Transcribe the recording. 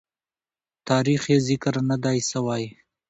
تاریخ یې ذکر نه دی سوی.